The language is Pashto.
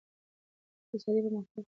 د اقتصادي پرمختګ سره قوانین هم چټک عملي کېږي.